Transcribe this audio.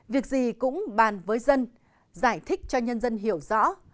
việc gì cũng bàn với dân giải thích cho nhân dân hiểu rõ